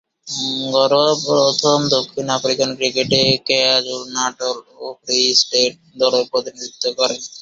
ঘরোয়া প্রথম-শ্রেণীর দক্ষিণ আফ্রিকান ক্রিকেটে কোয়াজুলু-নাটাল ও ফ্রি স্টেট দলের প্রতিনিধিত্ব করেন।